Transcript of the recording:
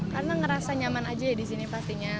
karena ngerasa nyaman aja ya di sini pastinya